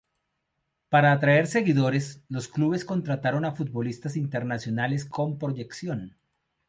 Para atraer seguidores, los clubes contrataron a futbolistas internacionales con proyección.